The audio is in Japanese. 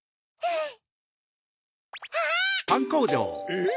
・えっ？